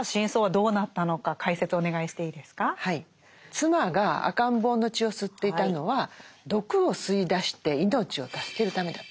妻が赤ん坊の血を吸っていたのは毒を吸い出して命を助けるためだったと。